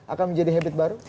akan menjadi habit baru